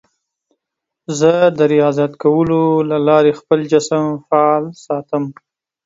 زه د ریاضت کولو له لارې خپل جسم فعال ساتم.